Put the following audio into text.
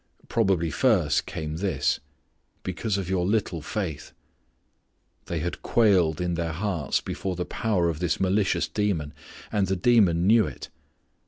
Probably first came this: "because of your little faith." They had quailed in their hearts before the power of this malicious demon. And the demon knew it.